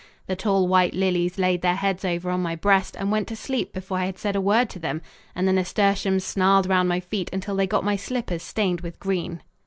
The tall white lilies laid their heads over on my breast and went to sleep before I had said a word to them, and the nasturtiums snarled round my feet until they got my slippers stained with green.